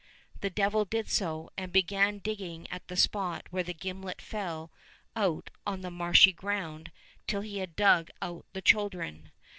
" The Devil did so, and began digging at the spot where the gimlet fell out on the marshy ground till he had dug out the children.